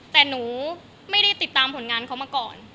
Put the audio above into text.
แต่หนูไม่ได้ติดตามผลงานเขามาก่อน